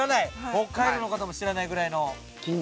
北海道の方も知らないぐらいの。